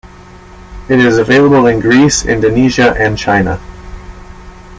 It is available in Greece, Indonesia and China.